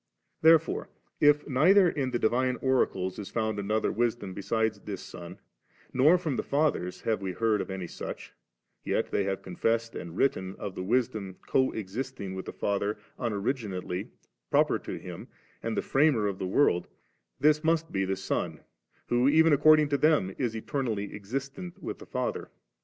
4a Tnerefore, ifneither in the divine orades is found another wisdom besides this Son, nor fix)m the £sithers^ have we heard of any such, yet they have confessed and written of the Wisdom coexisting with the Father unorigin ately, proper to Him, and the Framer of the world, this must be the Son who even accord ing to them is eternally coexistent with the Father.